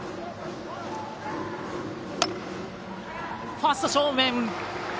ファースト正面。